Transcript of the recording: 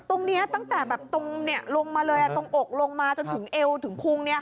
ตรงนี้ตั้งแต่ตรงโอกลงมาจนถึงเอวถึงคุง